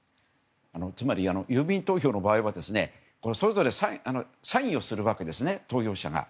つまり郵便投票の場合はそれぞれサインをするわけですね投票者が。